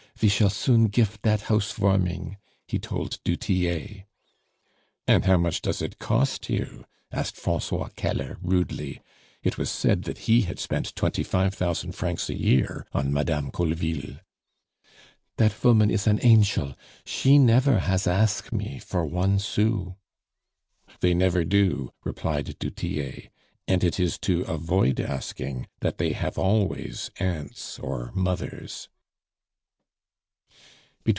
Ve shall soon gife dat house varming," he told du Tillet. "And how much does it cost you?" asked Francois Keller rudely it was said that he had spent twenty five thousand francs a year on Madame Colleville. "Dat voman is an anchel! She never has ask' me for one sou." "They never do," replied du Tillet. "And it is to avoid asking that they have always aunts or mothers."